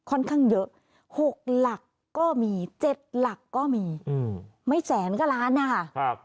ค่อนข้างเยอะ๖หลักก็มี๗หลักก็มีไม่แสนก็ล้านนะคะ